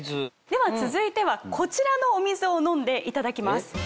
では続いてはこちらのお水を飲んでいただきます。